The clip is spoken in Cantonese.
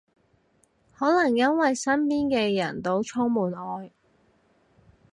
可能因為身邊嘅人到充滿愛